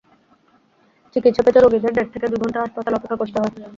চিকিৎসা পেতে রোগীদের দেড় থেকে দুই ঘণ্টা হাসপাতালে অপেক্ষা করতে হয়।